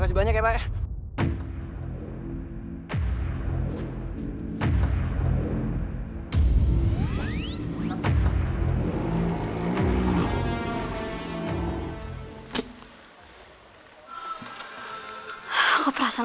dan sekarang importantean saya